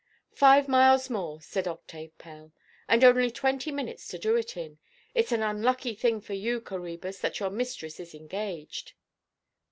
"Five miles more," said Octave Pell, "and only twenty minutes to do it in! Itʼs an unlucky thing for you, Coræbus, that your mistress is engaged."